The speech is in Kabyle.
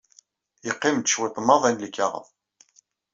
Yeqqim-d cwiṭ maḍi n lkaɣeḍ.